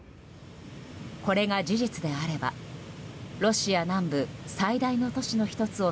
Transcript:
これが事実であればロシア南部最大の都市の１つを